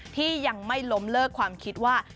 ที่ยังไม่ล้มเลิกความคิดว่า